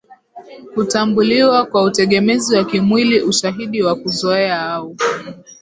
kutambuliwa kwa utegemezi wa kimwili ushahidi wa kuzoea au